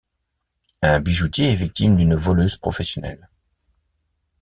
Un bijoutier est victime d'une voleuse professionnelle.